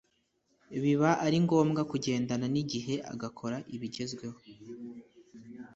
biba ari ngombwa kugendana n'igihe agakora ibigezweho